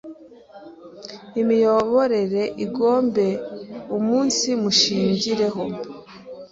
imiyoborere igombe umunsimushingireho.